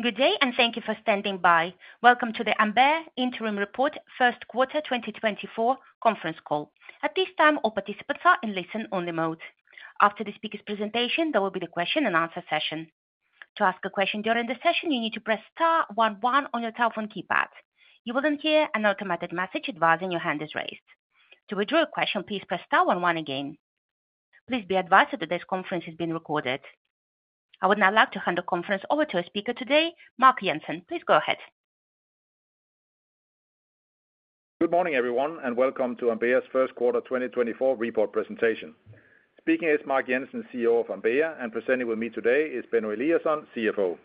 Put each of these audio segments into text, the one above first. Good day, and thank you for standing by. Welcome to the Ambea Interim Report, First Quarter 2024 Conference Call. At this time, all participants are in listen-only mode. After the speaker's presentation, there will be the question and answer session. To ask a question during the session, you need to press star one one on your telephone keypad. You will then hear an automated message advising your hand is raised. To withdraw your question, please press star one one again. Please be advised that today's conference is being recorded. I would now like to hand the conference over to our speaker today, Mark Jensen. Please go ahead. Good morning, everyone, and welcome to Ambea's First Quarter 2024 Report Presentation. Speaking is Mark Jensen, CEO of Ambea, and presenting with me today is Benno Eliasson, CFO.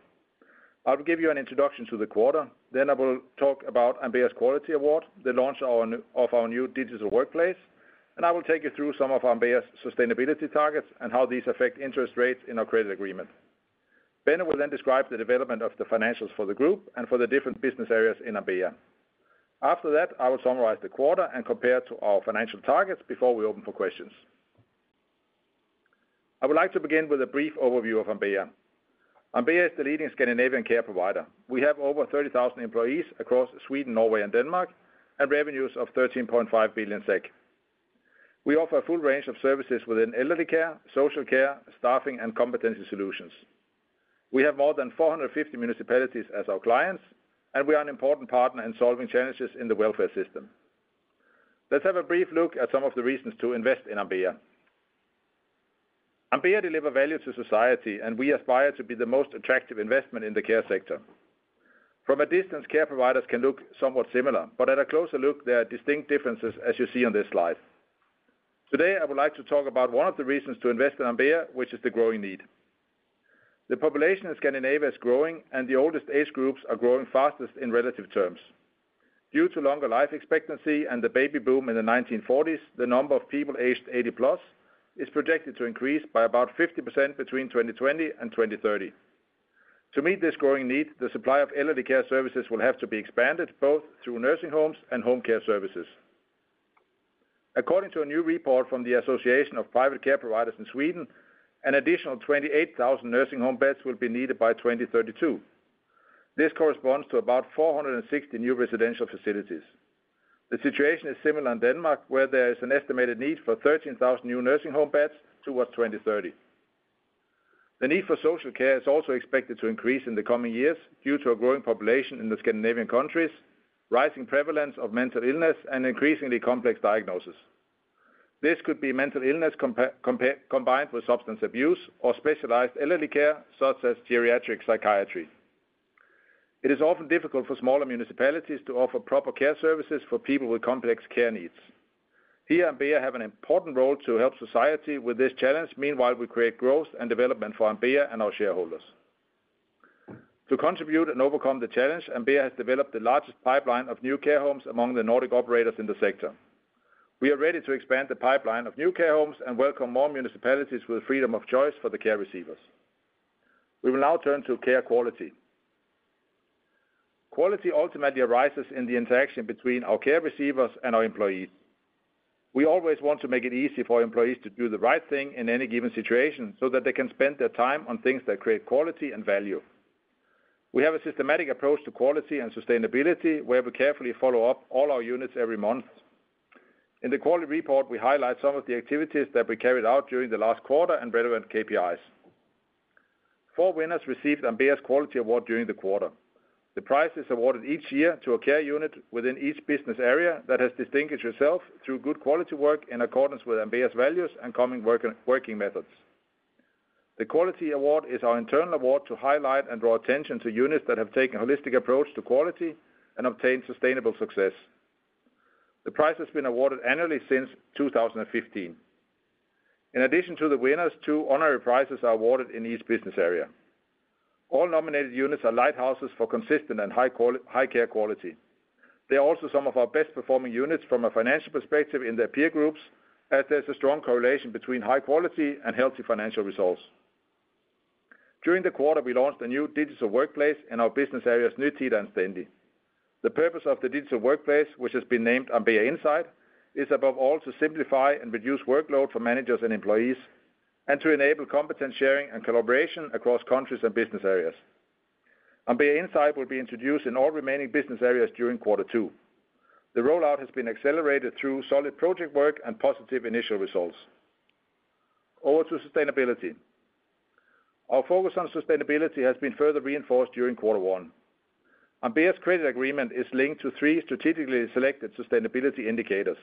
I will give you an introduction to the quarter, then I will talk about Ambea's Quality Award, the launch of our new digital workplace, and I will take you through some of Ambea's sustainability targets and how these affect interest rates in our credit agreement. Benno will then describe the development of the financials for the group and for the different business areas in Ambea. After that, I will summarize the quarter and compare to our financial targets before we open for questions. I would like to begin with a brief overview of Ambea. Ambea is the leading Scandinavian care provider. We have over 30,000 employees across Sweden, Norway, and Denmark, and revenues of 13.5 billion SEK. We offer a full range of services within elderly care, social care, staffing, and competency solutions. We have more than 450 municipalities as our clients, and we are an important partner in solving challenges in the welfare system. Let's have a brief look at some of the reasons to invest in Ambea. Ambea deliver value to society, and we aspire to be the most attractive investment in the care sector. From a distance, care providers can look somewhat similar, but at a closer look, there are distinct differences, as you see on this slide. Today, I would like to talk about one of the reasons to invest in Ambea, which is the growing need. The population of Scandinavia is growing, and the oldest age groups are growing fastest in relative terms. Due to longer life expectancy and the baby boom in the 1940s, the number of people aged 80+ is projected to increase by about 50% between 2020 and 2030. To meet this growing need, the supply of elderly care services will have to be expanded, both through nursing homes and home care services. According to a new report from the Association of Private Care Providers in Sweden, an additional 28,000 nursing home beds will be needed by 2032. This corresponds to about 460 new residential facilities. The situation is similar in Denmark, where there is an estimated need for 13,000 new nursing home beds towards 2030. The need for social care is also expected to increase in the coming years due to a growing population in the Scandinavian countries, rising prevalence of mental illness, and increasingly complex diagnosis. This could be mental illness combined with substance abuse or specialized elderly care, such as geriatric psychiatry. It is often difficult for smaller municipalities to offer proper care services for people with complex care needs. Here, Ambea have an important role to help society with this challenge. Meanwhile, we create growth and development for Ambea and our shareholders. To contribute and overcome the challenge, Ambea has developed the largest pipeline of new care homes among the Nordic operators in the sector. We are ready to expand the pipeline of new care homes and welcome more municipalities with freedom of choice for the care receivers. We will now turn to care quality. Quality ultimately arises in the interaction between our care receivers and our employees. We always want to make it easy for employees to do the right thing in any given situation, so that they can spend their time on things that create quality and value. We have a systematic approach to quality and sustainability, where we carefully follow up all our units every month. In the quality report, we highlight some of the activities that we carried out during the last quarter and relevant KPIs. Four winners received Ambea's Quality Award during the quarter. The prize is awarded each year to a care unit within each business area that has distinguished itself through good quality work in accordance with Ambea's values and common working methods. The Quality Award is our internal award to highlight and draw attention to units that have taken a holistic approach to quality and obtained sustainable success. The prize has been awarded annually since 2015. In addition to the winners, two honorary prizes are awarded in each business area. All nominated units are lighthouses for consistent and high care quality. They are also some of our best-performing units from a financial perspective in their peer groups, as there's a strong correlation between high quality and healthy financial results. During the quarter, we launched a new digital workplace in our business areas, Nytida and Stendi. The purpose of the digital workplace, which has been named Ambea Inside, is above all, to simplify and reduce workload for managers and employees and to enable competence sharing and collaboration across countries and business areas. Ambea Inside will be introduced in all remaining business areas during quarter two. The rollout has been accelerated through solid project work and positive initial results. Over to sustainability. Our focus on sustainability has been further reinforced during quarter one. Ambea's credit agreement is linked to three strategically selected sustainability indicators.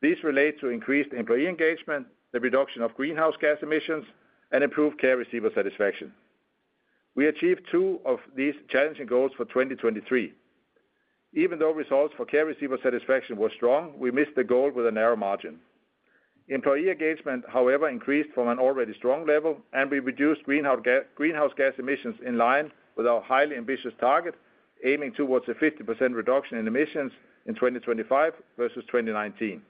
These relate to increased employee engagement, the reduction of greenhouse gas emissions, and improved care receiver satisfaction. We achieved two of these challenging goals for 2023. Even though results for care receiver satisfaction were strong, we missed the goal with a narrow margin. Employee engagement, however, increased from an already strong level, and we reduced greenhouse gas, greenhouse gas emissions in line with our highly ambitious target, aiming towards a 50% reduction in emissions in 2025 versus 2019.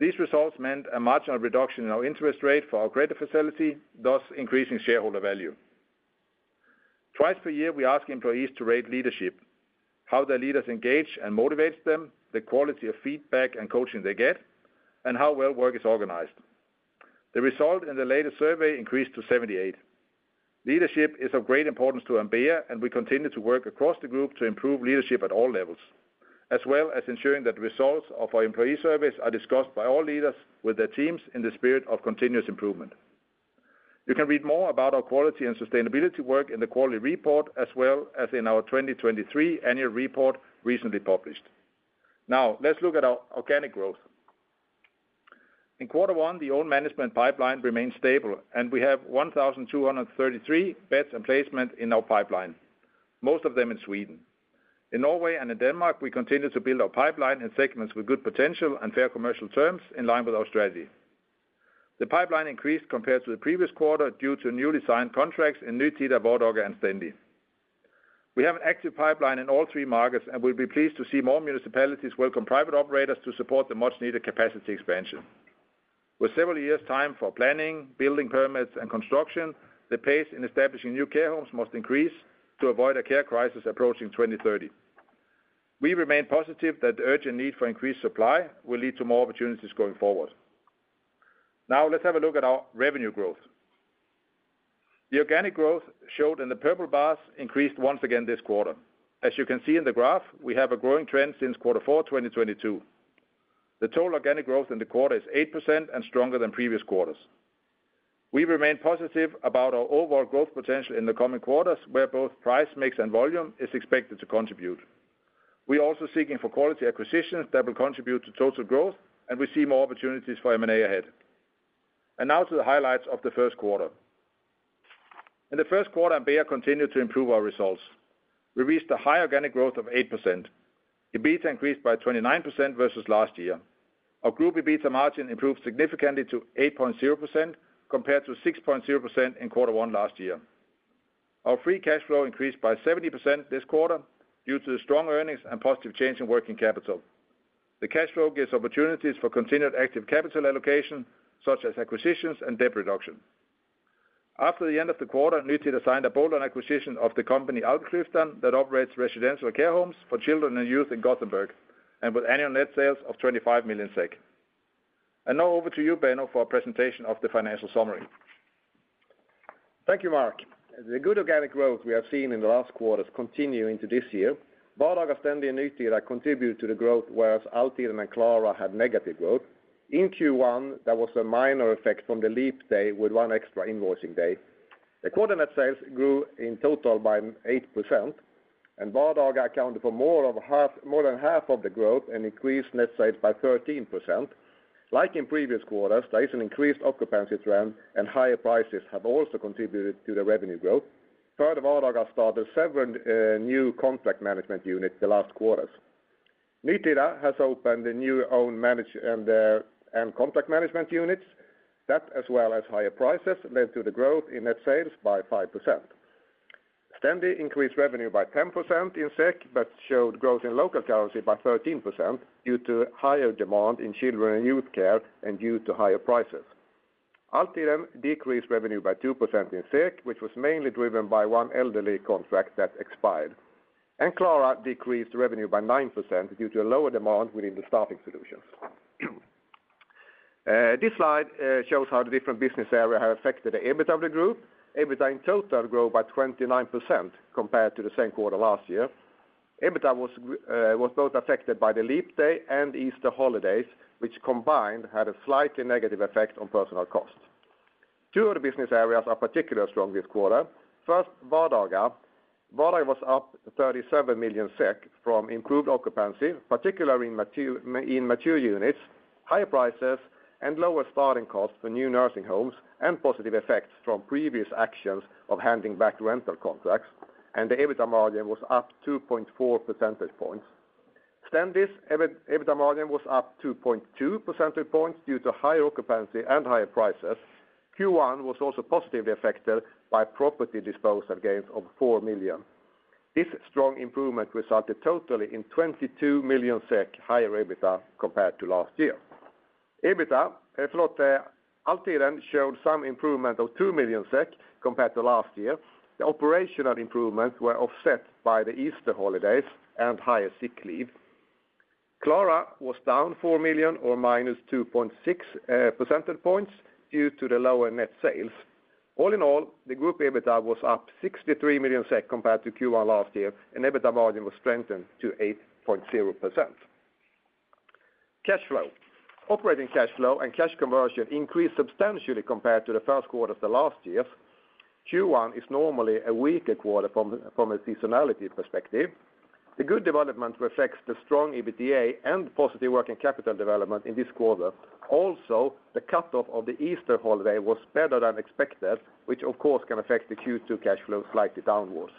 These results meant a marginal reduction in our interest rate for our credit facility, thus increasing shareholder value. Twice per year, we ask employees to rate leadership, how their leaders engage and motivates them, the quality of feedback and coaching they get, and how well work is organized.... The result in the latest survey increased to 78. Leadership is of great importance to Ambea, and we continue to work across the group to improve leadership at all levels, as well as ensuring that the results of our employee surveys are discussed by all leaders with their teams in the spirit of continuous improvement. You can read more about our quality and sustainability work in the quarterly report, as well as in our 2023 annual report, recently published. Now, let's look at our organic growth. In quarter one, the own management pipeline remained stable, and we have 1,233 beds and placement in our pipeline, most of them in Sweden. In Norway and in Denmark, we continue to build our pipeline in segments with good potential and fair commercial terms in line with our strategy. The pipeline increased compared to the previous quarter due to newly signed contracts in Nytida, Vardaga, and Stendi. We have an active pipeline in all three markets, and we'll be pleased to see more municipalities welcome private operators to support the much-needed capacity expansion. With several years' time for planning, building permits, and construction, the pace in establishing new care homes must increase to avoid a care crisis approaching 2030. We remain positive that the urgent need for increased supply will lead to more opportunities going forward. Now, let's have a look at our revenue growth. The organic growth showed in the purple bars increased once again this quarter. As you can see in the graph, we have a growing trend since quarter 4, 2022. The total organic growth in the quarter is 8% and stronger than previous quarters. We remain positive about our overall growth potential in the coming quarters, where both price, mix, and volume is expected to contribute. We are also seeking for quality acquisitions that will contribute to total growth, and we see more opportunities for M&A ahead. Now to the highlights of the first quarter. In the first quarter, Ambea continued to improve our results. We reached a high organic growth of 8%. EBITA increased by 29% versus last year. Our group EBITA margin improved significantly to 8.0%, compared to 6.0% in quarter one last year. Our free cash flow increased by 70% this quarter due to the strong earnings and positive change in working capital. The cash flow gives opportunities for continued active capital allocation, such as acquisitions and debt reduction. After the end of the quarter, Nytida signed a bold acquisition of the company, Alpklyftan, that operates residential care homes for children and youth in Gothenburg, and with annual net sales of 25 million SEK. And now over to you, Benno, for a presentation of the financial summary. Thank you, Mark. The good organic growth we have seen in the last quarters continue into this year. Vardaga, Stendi, and Nytida contribute to the growth, whereas Altiden and Klara had negative growth. In Q1, there was a minor effect from the leap day with one extra invoicing day. The quarter net sales grew in total by 8%, and Vardaga accounted for more of half, more than half of the growth and increased net sales by 13%. Like in previous quarters, there is an increased occupancy trend, and higher prices have also contributed to the revenue growth. Part of Vardaga started several new contract management units the last quarters. Nytida has opened a new own management and contract management units. That, as well as higher prices, led to the growth in net sales by 5%. Stendi increased revenue by 10% in SEK, but showed growth in local currency by 13% due to higher demand in children and youth care and due to higher prices. Altiden decreased revenue by 2% in SEK, which was mainly driven by one elderly contract that expired. And Klara decreased revenue by 9% due to a lower demand within the staffing solutions. This slide shows how the different business areas have affected the EBITA of the group. EBITA in total grew by 29% compared to the same quarter last year. EBITA was both affected by the leap day and Easter holidays, which combined had a slightly negative effect on personal cost. Two of the business areas are particularly strong this quarter. First, Vardaga. Vardaga was up 37 million SEK from improved occupancy, particularly in mature units, higher prices, and lower starting costs for new nursing homes, and positive effects from previous actions of handing back rental contracts, and the EBITA margin was up 2.4 percentage points. Stendi's EBIT, EBITA margin was up 2.2 percentage points due to higher occupancy and higher prices. Q1 was also positively affected by property disposal gains of 4 million SEK. This strong improvement resulted totally in 22 million SEK higher EBITA compared to last year. EBITA for Altiden showed some improvement of 2 million SEK compared to last year. The operational improvements were offset by the Easter holidays and higher sick leave. Klara was down 4 million SEK or -2.6 percentage points due to the lower net sales. All in all, the group EBITA was up 63 million SEK compared to Q1 last year, and EBITA margin was strengthened to 8.0%. Cash flow. Operating cash flow and cash conversion increased substantially compared to the first quarter of the last year. Q1 is normally a weaker quarter from a seasonality perspective. The good development reflects the strong EBITDA and positive working capital development in this quarter. Also, the cutoff of the Easter holiday was better than expected, which of course, can affect the Q2 cash flow slightly downwards.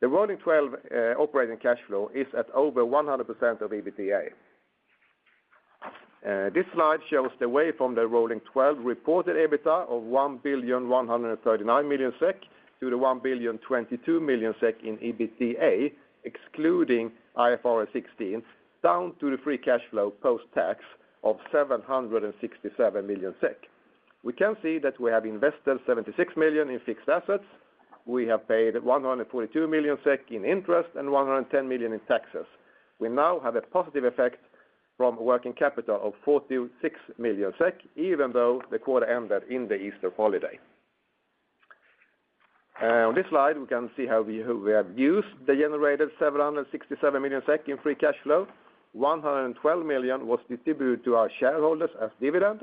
The rolling twelve operating cash flow is at over 100% of EBITDA. This slide shows the way from the rolling twelve reported EBITA of 1,139 million SEK to the 1,022 million SEK in EBITA, excluding IFRS 16, down to the free cash flow post-tax of 767 million SEK. We can see that we have invested 76 million in fixed assets. We have paid 142 million SEK in interest and 110 million in taxes. We now have a positive effect from working capital of 46 million SEK, even though the quarter ended in the Easter holiday. On this slide, we can see how we have used the generated 767 million SEK in free cash flow. 112 million was distributed to our shareholders as dividend,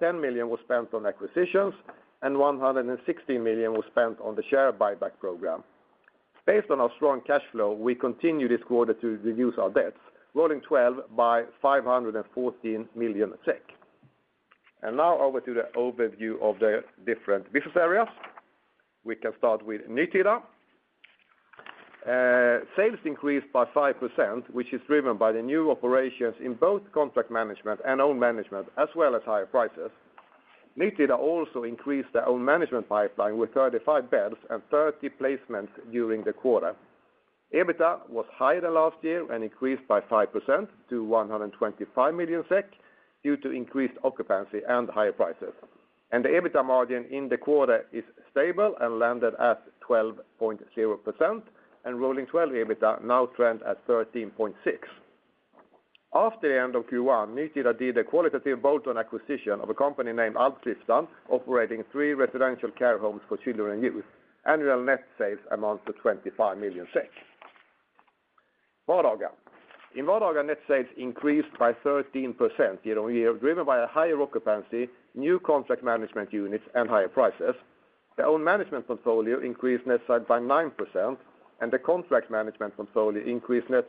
10 million was spent on acquisitions, and 160 million was spent on the share buyback program. Based on our strong cash flow, we continue this quarter to reduce our debts, rolling twelve by 514 million. Now over to the overview of the different business areas. We can start with Nytida. Sales increased by 5%, which is driven by the new operations in both contract management and own management, as well as higher prices. Nytida also increased their own management pipeline with 35 beds and 30 placements during the quarter. EBITA was higher than last year and increased by 5% to 125 million SEK due to increased occupancy and higher prices. The EBITA margin in the quarter is stable and landed at 12.0%, and rolling 12 EBIA now trend at 13.6. After the end of Q1, Nytida did a qualitative bolt-on acquisition of a company named Alpklyftan, operating three residential care homes for children and youth. Annual net sales amounts to 25 million SEK. Vardaga. In Vardaga, net sales increased by 13% year-on-year, driven by a higher occupancy, new contract management units, and higher prices. The own management portfolio increased net sales by 9%, and the contract management portfolio increased net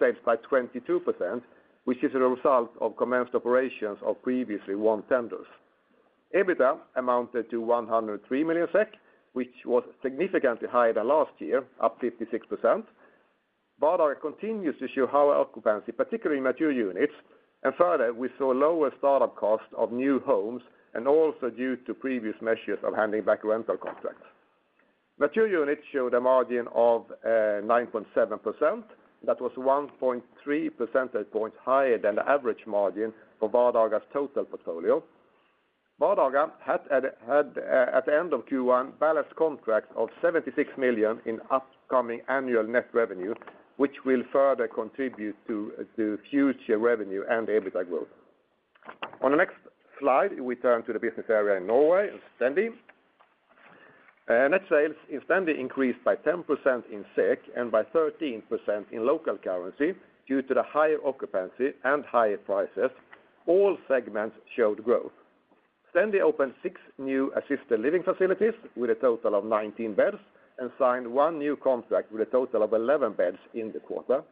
sales by 22%, which is a result of commenced operations of previously won tenders. EBITA amounted to 103 million SEK, which was significantly higher than last year, up 56%. Vardaga continues to show high occupancy, particularly mature units, and further, we saw lower startup costs of new homes, and also due to previous measures of handing back rental contracts. Mature units showed a margin of 9.7%. That was 1.3 percentage points higher than the average margin for Vardaga's total portfolio. Vardaga had at the end of Q1 balanced contracts of 76 million in upcoming annual net revenue, which will further contribute to future revenue and EBITDA growth. On the next slide, we turn to the business area in Norway, Stendi. Net sales in Stendi increased by 10% in SEK and by 13% in local currency due to the higher occupancy and higher prices. All segments showed growth. Stendi opened six new assisted living facilities with a total of 19 beds and signed one new contract with a total of 11 beds in the quarter,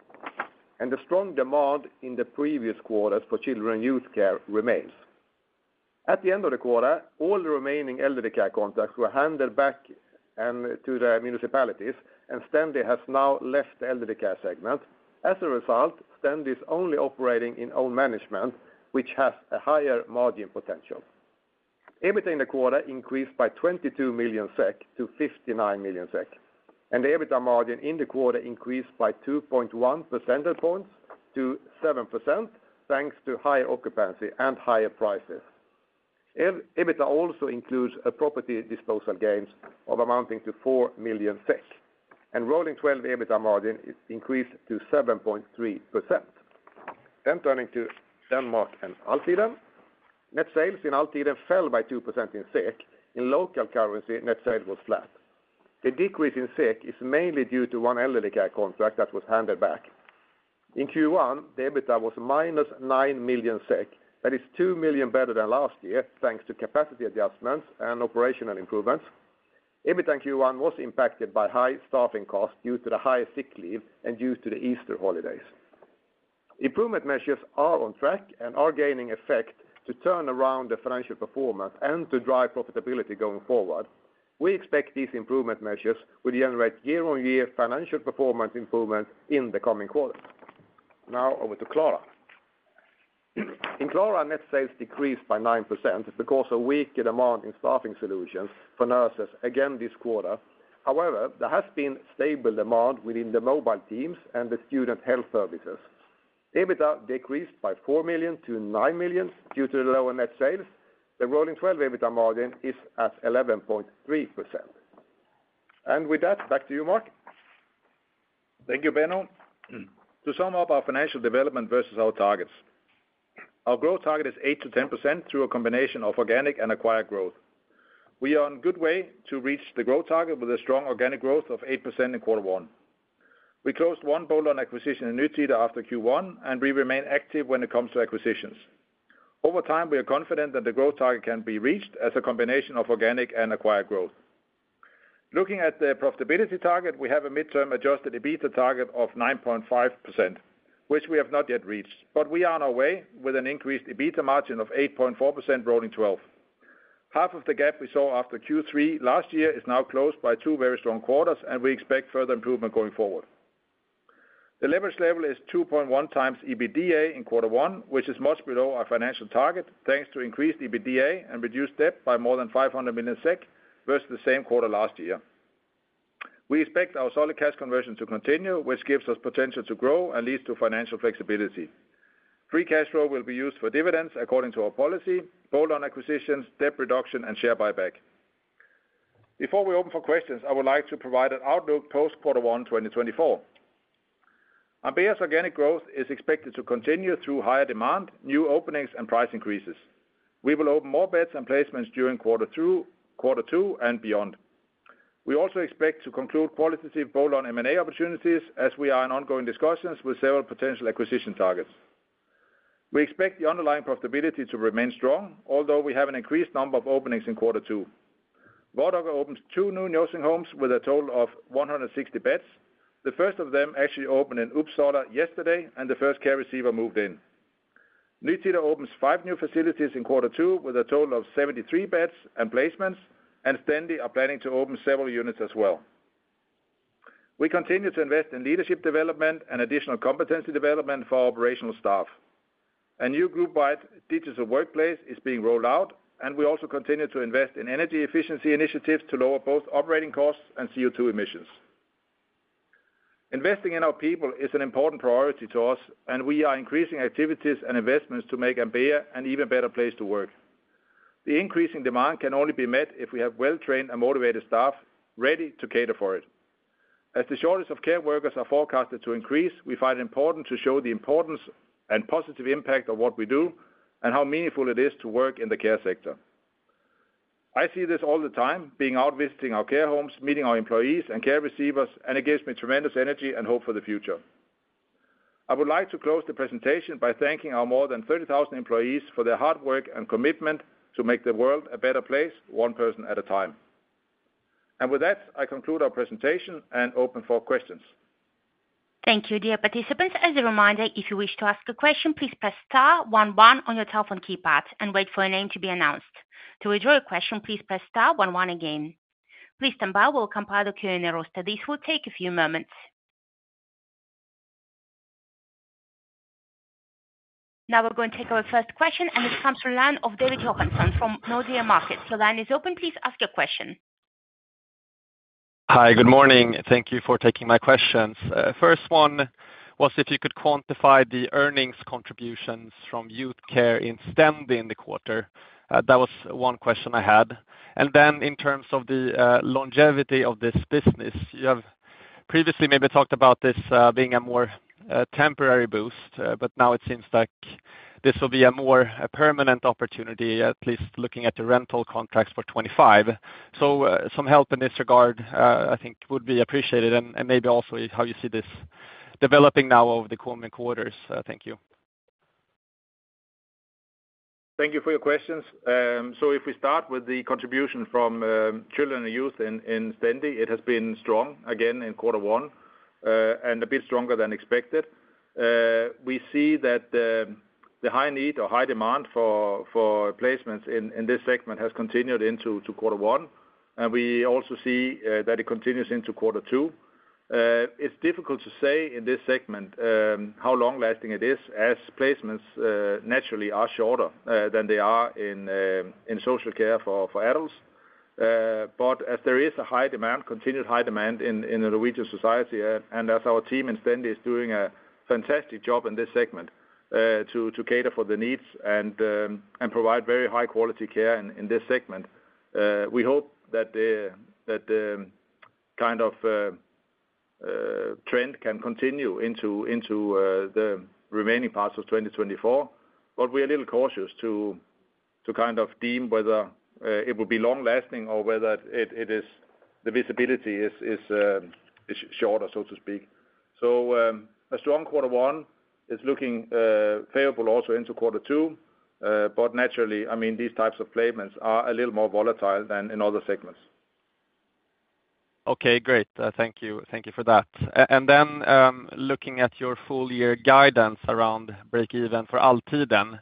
and the strong demand in the previous quarters for children and youth care remains. At the end of the quarter, all the remaining elderly care contracts were handed back and to the municipalities, and Stendi has now left the elderly care segment. As a result, Stendi is only operating in own management, which has a higher margin potential. EBIT in the quarter increased by 22 million SEK to 59 million SEK, and the EBITDA margin in the quarter increased by 2.1 percentage points to 7%, thanks to higher occupancy and higher prices. EBITDA also includes a property disposal gains of amounting to 4 million SEK, and rolling 12 EBITDA margin is increased to 7.3%. Then turning to Denmark and Altiden. Net sales in Altiden fell by 2% in SEK. In local currency, net sales was flat. The decrease in SEK is mainly due to one elderly care contract that was handed back. In Q1, the EBITDA was minus 9 million SEK. That is 2 million better than last year, thanks to capacity adjustments and operational improvements. EBITA in Q1 was impacted by high staffing costs due to the high sick leave and due to the Easter holidays. Improvement measures are on track and are gaining effect to turn around the financial performance and to drive profitability going forward. We expect these improvement measures will generate year-on-year financial performance improvement in the coming quarters. Now, over to Klara. In Klara, net sales decreased by 9% because of weaker demand in staffing solutions for nurses again this quarter. However, there has been stable demand within the mobile teams and the student health services. EBITA decreased by 4 million to 9 million due to the lower net sales. The rolling 12 EBITA margin is at 11.3%. And with that, back to you, Mark. Thank you, Benno. To sum up our financial development versus our targets, our growth target is 8%-10% through a combination of organic and acquired growth. We are on good way to reach the growth target with a strong organic growth of 8% in quarter one. We closed one bolt-on acquisition in Nytida after Q1, and we remain active when it comes to acquisitions. Over time, we are confident that the growth target can be reached as a combination of organic and acquired growth. Looking at the profitability target, we have a midterm adjusted EBIT target of 9.5%, which we have not yet reached, but we are on our way with an increased EBITDA margin of 8.4% rolling twelve. Half of the gap we saw after Q3 last year is now closed by two very strong quarters, and we expect further improvement going forward. The leverage level is 2.1x EBITDA in quarter one, which is much below our financial target, thanks to increased EBITDA and reduced debt by more than 500 million SEK versus the same quarter last year. We expect our solid cash conversion to continue, which gives us potential to grow and leads to financial flexibility. Free cash flow will be used for dividends according to our policy, bolt-on acquisitions, debt reduction, and share buyback. Before we open for questions, I would like to provide an outlook post quarter one, 2024. Ambea's organic growth is expected to continue through higher demand, new openings, and price increases. We will open more beds and placements during quarter two, quarter two and beyond. We also expect to conclude qualitative bolt-on M&A opportunities as we are in ongoing discussions with several potential acquisition targets. We expect the underlying profitability to remain strong, although we have an increased number of openings in quarter two. Vardaga opens two new nursing homes with a total of 160 beds. The first of them actually opened in Uppsala yesterday, and the first care receiver moved in. Nytida opens five new facilities in quarter two with a total of 73 beds and placements, and Stendi are planning to open several units as well. We continue to invest in leadership development and additional competency development for our operational staff. A new group-wide digital workplace is being rolled out, and we also continue to invest in energy efficiency initiatives to lower both operating costs and CO2 emissions. Investing in our people is an important priority to us, and we are increasing activities and investments to make Ambea an even better place to work. The increasing demand can only be met if we have well-trained and motivated staff ready to cater for it. As the shortage of care workers are forecasted to increase, we find it important to show the importance and positive impact of what we do and how meaningful it is to work in the care sector. I see this all the time, being out visiting our care homes, meeting our employees and care receivers, and it gives me tremendous energy and hope for the future. I would like to close the presentation by thanking our more than 30,000 employees for their hard work and commitment to make the world a better place, one person at a time. With that, I conclude our presentation and open for questions. Thank you, dear participants. As a reminder, if you wish to ask a question, please press star one one on your telephone keypad and wait for your name to be announced. To withdraw your question, please press star one one again. Please stand by. We'll compile the Q&A roster. This will take a few moments. Now we're going to take our first question, and it comes from the line of David Johansson from Nordea Markets. Your line is open. Please ask your question. Hi, good morning. Thank you for taking my questions. First one was if you could quantify the earnings contributions from youth care in Stendi in the quarter? That was one question I had. And then in terms of the longevity of this business, you have previously maybe talked about this being a more temporary boost, but now it seems like this will be a more permanent opportunity, at least looking at the rental contracts for 2025. So, some help in this regard, I think would be appreciated and maybe also how you see this developing now over the coming quarters. Thank you. Thank you for your questions. So if we start with the contribution from children and youth in Stendi, it has been strong again in quarter one, and a bit stronger than expected. We see that the high need or high demand for placements in this segment has continued into quarter one, and we also see that it continues into quarter two. It's difficult to say in this segment how long-lasting it is, as placements naturally are shorter than they are in social care for adults. But as there is a high demand, continued high demand in the Norwegian society, and as our team in Stendi is doing a fantastic job in this segment, to cater for the needs and provide very high-quality care in this segment, we hope that the trend can continue into the remaining parts of 2024. But we are a little cautious to kind of deem whether it will be long-lasting or whether it is the visibility is shorter, so to speak. So, a strong quarter one is looking favorable also into quarter two, but naturally, I mean, these types of placements are a little more volatile than in other segments. Okay, great. Thank you. Thank you for that. And then, looking at your full year guidance around break even for Altiden,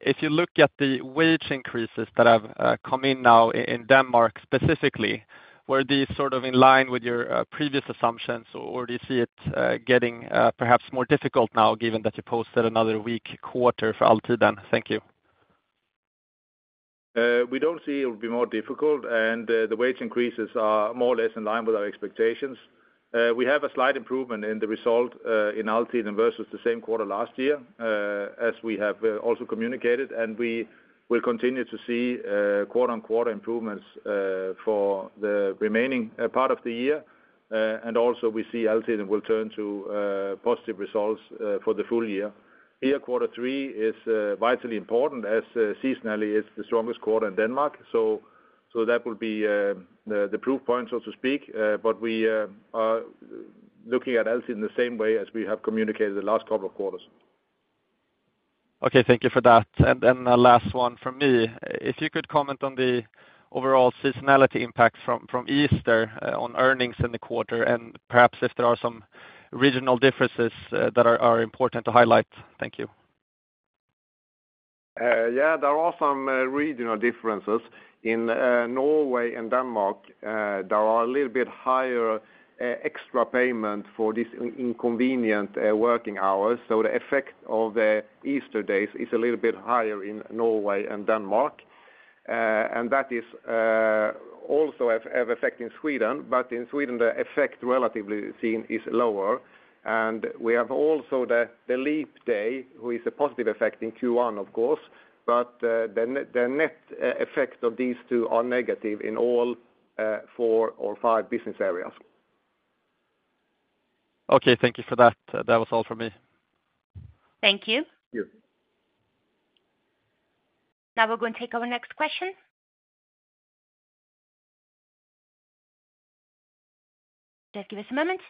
if you look at the wage increases that have come in now in Denmark, specifically, were these sort of in line with your previous assumptions, or do you see it getting, perhaps more difficult now, given that you posted another weak quarter for Altiden? Thank you. We don't see it will be more difficult, and the wage increases are more or less in line with our expectations. We have a slight improvement in the result in Altiden versus the same quarter last year, as we have also communicated, and we will continue to see quarter-on-quarter improvements for the remaining part of the year. And also we see Altiden will turn to positive results for the full year. Here, quarter three is vitally important, as seasonally it's the strongest quarter in Denmark, so, so that will be the proof point, so to speak. But we are looking at Altiden the same way as we have communicated the last couple of quarters. Okay, thank you for that. And then a last one from me. If you could comment on the overall seasonality impact from Easter on earnings in the quarter, and perhaps if there are some regional differences that are important to highlight. Thank you. Yeah, there are some regional differences. In Norway and Denmark, there are a little bit higher extra payment for this inconvenient working hours, so the effect of the Easter days is a little bit higher in Norway and Denmark.... and that is also have effect in Sweden, but in Sweden, the effect relatively seen is lower. And we have also the leap day, who is a positive effect in Q1, of course, but the net effect of these two are negative in all four or five business areas. Okay, thank you for that. That was all for me. Thank you. Thank you. Now we're going to take our next question. Just give us a moment.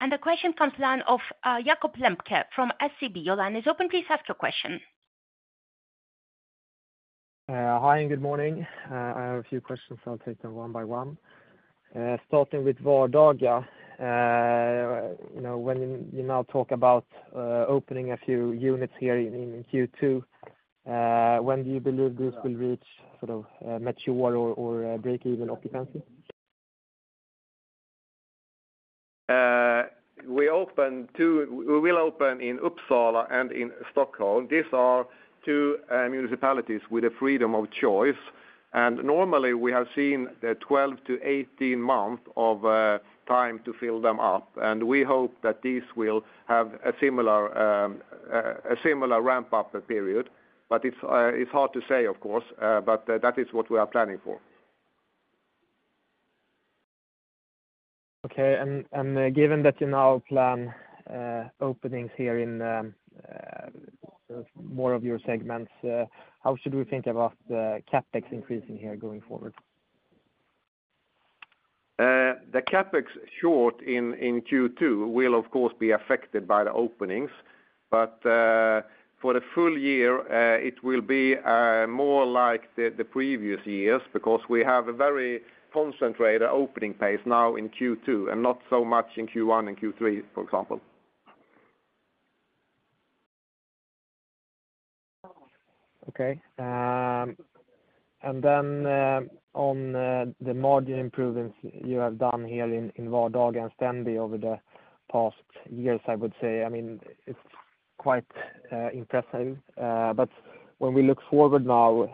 And the question comes from the line of Jacob Lemke from SEB. Your line is open, please ask your question. Hi, and good morning. I have a few questions, I'll take them one by one. Starting with Vardaga, you know, when you now talk about opening a few units here in Q2, when do you believe this will reach sort of mature or break-even occupancy? We will open in Uppsala and in Stockholm. These are two municipalities with the freedom of choice. And normally, we have seen the 12-18 months of time to fill them up, and we hope that these will have a similar ramp-up period. But it's hard to say, of course, but that is what we are planning for. Okay. And given that you now plan openings here in more of your segments, how should we think about the CapEx increasing here going forward? The CapEx short in, in Q2 will, of course, be affected by the openings. But, for the full year, it will be, more like the, the previous years, because we have a very concentrated opening pace now in Q2, and not so much in Q1 and Q3, for example. Okay. And then, on the margin improvements you have done here in Vardaga and Stendi over the past years, I would say, I mean, it's quite impressive. But when we look forward now,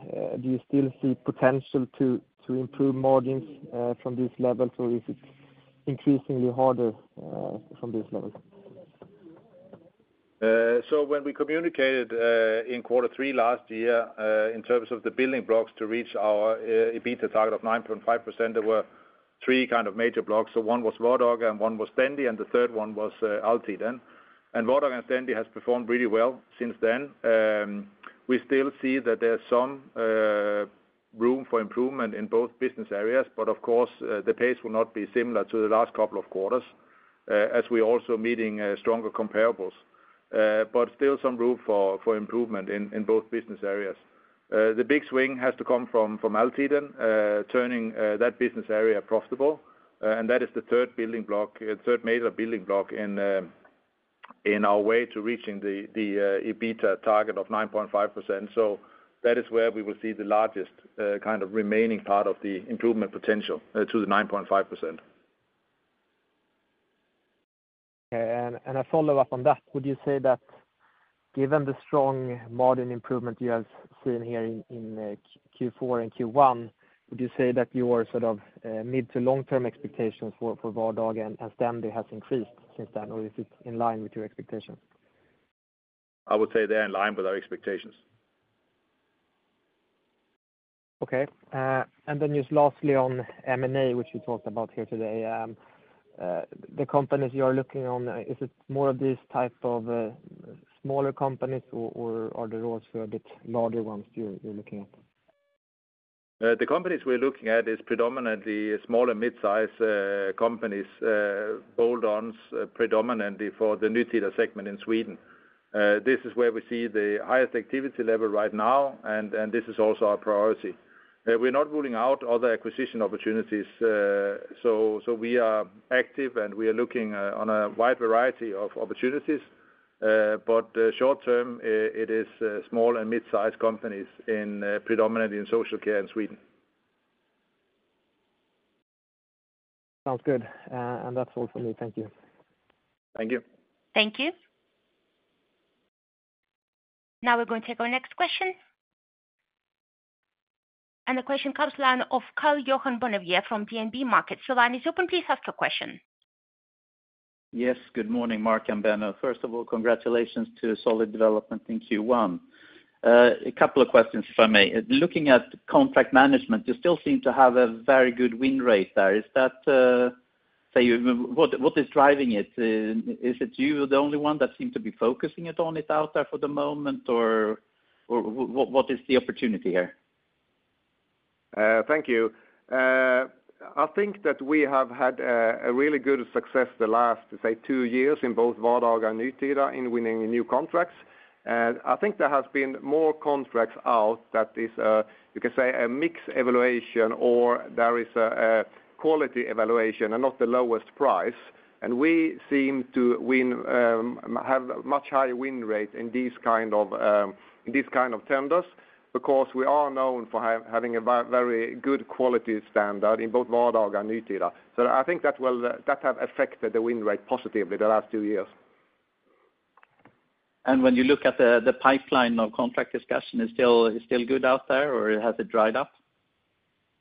do you still see potential to improve margins from this level, or is it increasingly harder from this level? So when we communicated in quarter three last year, in terms of the building blocks to reach our EBITDA target of 9.5%, there were three kind of major blocks. So one was Vardaga, and one was Stendi, and the third one was Altiden. And Vardaga and Stendi has performed really well since then. We still see that there's some room for improvement in both business areas, but of course, the pace will not be similar to the last couple of quarters, as we're also meeting stronger comparables. But still some room for improvement in both business areas. The big swing has to come from Altiden turning that business area profitable, and that is the third building block, third major building block in our way to reaching the EBITA target of 9.5%. So that is where we will see the largest kind of remaining part of the improvement potential to the 9.5%. Okay. And a follow-up on that, would you say that given the strong margin improvement you have seen here in Q4 and Q1, would you say that your sort of mid to long-term expectations for Vardaga and Stendi has increased since then, or is it in line with your expectations? I would say they're in line with our expectations. Okay. And then just lastly, on M&A, which you talked about here today. The companies you are looking on, is it more of these type of smaller companies, or are there also a bit larger ones you're looking at? The companies we're looking at is predominantly small and mid-size companies, add-ons, predominantly for the Nytida segment in Sweden. This is where we see the highest activity level right now, and this is also our priority. We're not ruling out other acquisition opportunities, so we are active, and we are looking on a wide variety of opportunities. But short term, it is small and mid-sized companies, predominantly in social care in Sweden. Sounds good. That's all for me. Thank you. Thank you. Thank you. Now we're going to take our next question. The question comes from the line of Karl-Johan Bonnevier from DNB Markets. The line is open, please ask your question. Yes, good morning, Mark and Benno. First of all, congratulations to a solid development in Q1. A couple of questions, if I may. Looking at contract management, you still seem to have a very good win rate there. Is that, say, what, what is driving it? Is it you are the only one that seem to be focusing it on it out there for the moment, or, or what, what is the opportunity here? Thank you. I think that we have had a really good success the last two years in both Vardaga and Nytida in winning new contracts. I think there has been more contracts out that is you can say a mixed evaluation, or there is a quality evaluation and not the lowest price. We seem to win have much higher win rate in these kind of in these kind of tenders, because we are known for having a very good quality standard in both Vardaga and Nytida. So I think that will that have affected the win rate positively the last two years.... And when you look at the pipeline of contract discussion, it's still good out there, or has it dried up?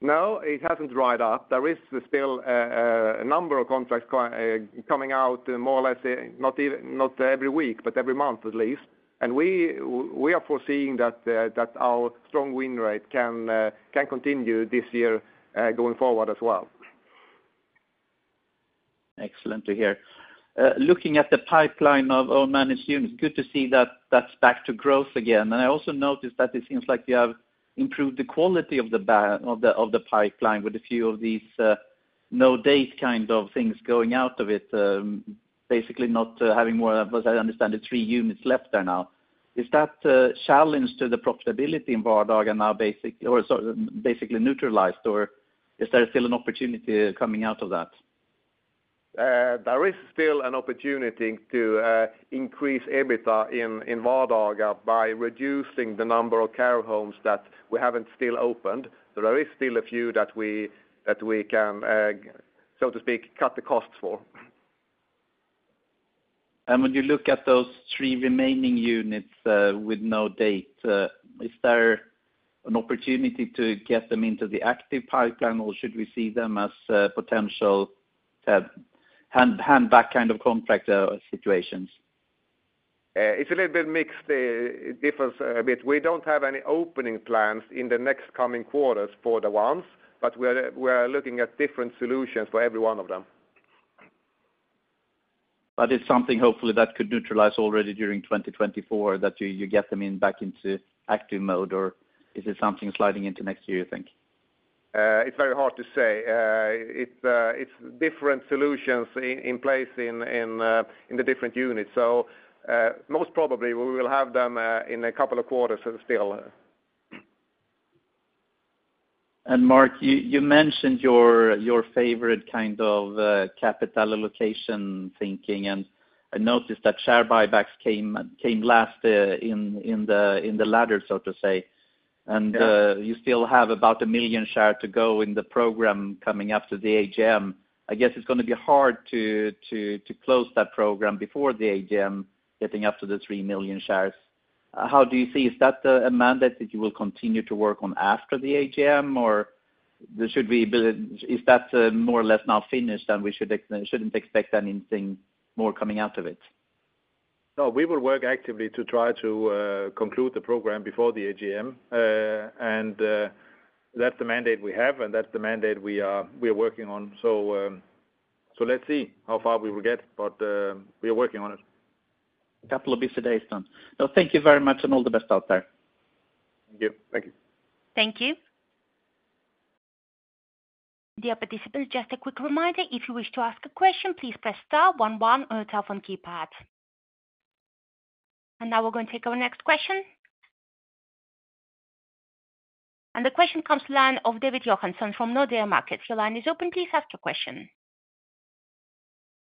No, it hasn't dried up. There is still a number of contracts coming out, more or less, not every week, but every month at least. We are foreseeing that our strong win rate can continue this year, going forward as well. Excellent to hear. Looking at the pipeline of our managed units, good to see that that's back to growth again. I also noticed that it seems like you have improved the quality of the backlog of the pipeline with a few of these no date kind of things going out of it, basically not having more, as I understand, the three units left there now. Is that a challenge to the profitability in Vardaga now basically neutralized, or is there still an opportunity coming out of that? There is still an opportunity to increase EBITA in Vardaga by reducing the number of care homes that we haven't still opened. There is still a few that we can, so to speak, cut the costs for. When you look at those three remaining units with no date, is there an opportunity to get them into the active pipeline, or should we see them as potential hand-back kind of contract situations? It's a little bit mixed. It differs a bit. We don't have any opening plans in the next coming quarters for the ones, but we are, we are looking at different solutions for every one of them. But it's something hopefully that could neutralize already during 2024, that you, you get them in, back into active mode, or is it something sliding into next year, you think? It's very hard to say. It's different solutions in place in the different units. So, most probably we will have them in a couple of quarters still. And Mark, you mentioned your favorite kind of capital allocation thinking, and I noticed that share buybacks came last in the ladder, so to say. Yeah. You still have about one million shares to go in the program coming after the AGM. I guess it's gonna be hard to close that program before the AGM, getting up to the three million shares. How do you see, is that a mandate that you will continue to work on after the AGM, or is that more or less now finished, and we shouldn't expect anything more coming out of it. No, we will work actively to try to conclude the program before the AGM. And that's the mandate we have, and that's the mandate we are, we're working on. So, so let's see how far we will get, but we are working on it. A couple of days done. Well, thank you very much, and all the best out there. Thank you. Thank you. Thank you. Dear participants, just a quick reminder, if you wish to ask a question, please press star one one on your telephone keypad. Now we're gonna take our next question. The question comes from the line of David Johansson from Nordea Markets. Your line is open. Please ask your question.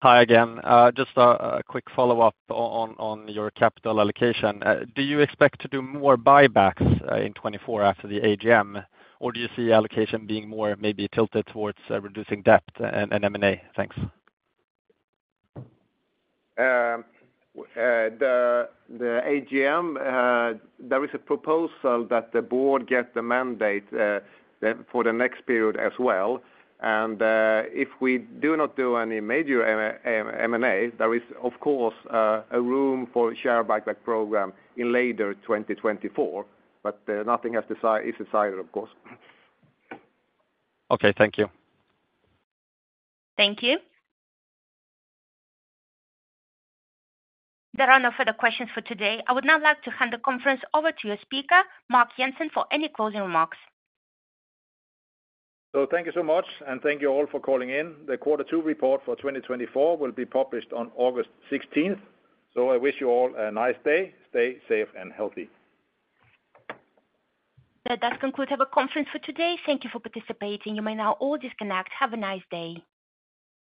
Hi again. Just a quick follow-up on your capital allocation. Do you expect to do more buybacks in 2024 after the AGM, or do you see allocation being more maybe tilted towards reducing debt and M&A? Thanks. The AGM, there is a proposal that the board get the mandate for the next period as well. If we do not do any major M&A, there is, of course, a room for share buyback program in later 2024, but nothing is decided, of course. Okay, thank you. Thank you. There are no further questions for today. I would now like to hand the conference over to your speaker, Mark Jensen, for any closing remarks. Thank you so much, and thank you all for calling in. The Quarter Two report for 2024 will be published on August 16. I wish you all a nice day. Stay safe and healthy. That does conclude our conference for today. Thank you for participating. You may now all disconnect. Have a nice day.